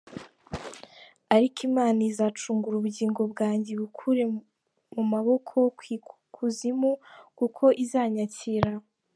Ariko Imana izacungura ubugingo bwanjye, Ibukure mu kuboko kw’ikuzimu, Kuko izanyakira.